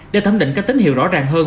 để thấm định các tín hiệu rõ ràng hơn